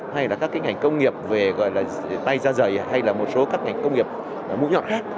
hay là các ngành công nghiệp về tay ra giày hay là một số các ngành công nghiệp mũ nhọn khác